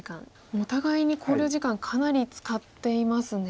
もうお互いに考慮時間かなり使っていますね。